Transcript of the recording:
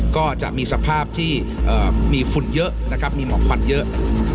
ก็จะมีสภาพที่มีฝุ่นเยอะนะครับมีหมอกควันเยอะ